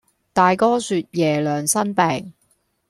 大哥説爺娘生病，